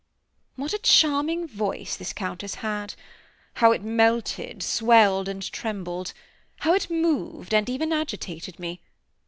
What a charming voice this Countess had! How it melted, swelled, and trembled! How it moved, and even agitated me!